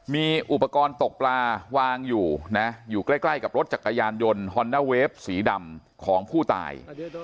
มีอุปกรณ์ตกปลาวางอยู่นะอยู่ใกล้กับรถจักรยานยนต์ฮอนด้าเวฟสีดำของผู้ตาย